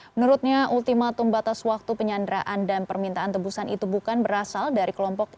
menurutnya ultimatum batas waktu penyanderaan dan permintaan tebusan itu bukan berasal dari kelompok